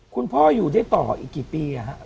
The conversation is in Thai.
คุณพ่ออยู่ได้ต่ออีกกี่ปี